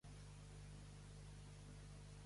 Amb qui es comunica un dia?